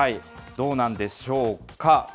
どうなんでしょうか。